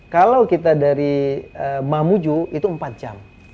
kalau kita dari mamuju itu empat jam